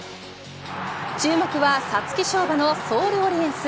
注目は皐月賞馬のソールオリエンス。